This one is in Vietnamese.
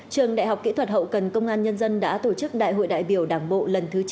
trường đại học kỹ thuật hậu cần công an nhân dân đã tổ chức đại hội đại biểu đảng bộ lần thứ chín